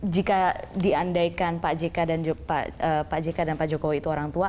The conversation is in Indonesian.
jika diandaikan pak jk dan pak jokowi itu orang tua